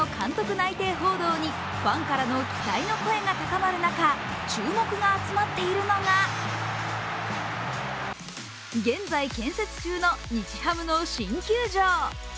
内定報道にファンからの期待の声が高まる中、注目が集まっているのが現在建設中の日ハムの新球場。